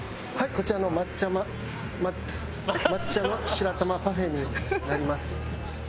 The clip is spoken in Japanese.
こちらの抹茶抹茶の白玉パフェになります。